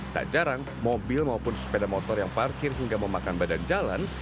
tak jarang mobil maupun sepeda motor yang parkir hingga memakan badan jalan